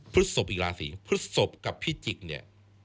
พฤศพอีกราศีพฤศพกับพิจิกเนี่ย